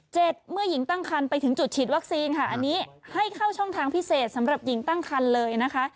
เมื่อหญิงตั้งคันไปถึงจุดฉีดวัคซีนค่ะอันนี้ให้เข้าช่องทางพิเศษสำหรับหญิงตั้งคันเลยนะคะ